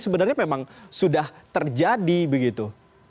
sebenarnya memang sudah terjadi begitu